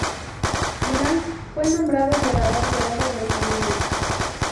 Blanc fue nombrado Jugador de Oro del torneo.